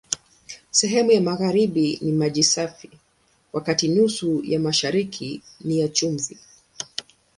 Sehemu ya magharibi ni maji safi, wakati nusu ya mashariki ni ya chumvi.